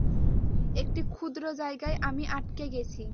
একটি ক্ষুদ্র জায়গায় আমি আটকে গেছি।